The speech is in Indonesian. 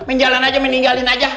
menjalan aja meninggalin aja